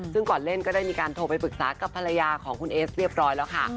ซึ่งก่อนเล่นก็ได้มีการโทรไปปรึกษากับภรรยาของคุณเอสเรียบร้อยแล้วค่ะ